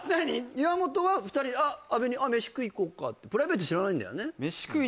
岩本は阿部に「メシ食いに行こうか」ってプライベート知らないんだよね？